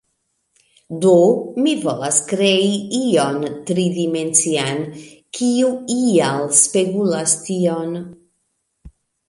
Do mi volas krei ion tridimencian, kiu ial spegulas tion.